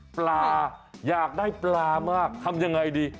ปลาอยากได้ปลามากทำยังไงดี